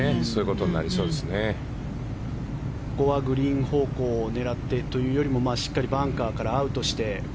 ここはグリーン方向を狙ってというよりもしっかりバンカーからアウトして。